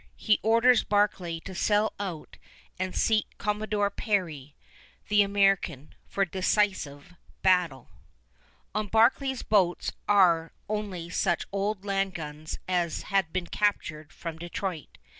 He orders Barclay to sail out and seek Commodore Perry, the American, for decisive battle. On Barclay's boats are only such old land guns as had been captured from Detroit.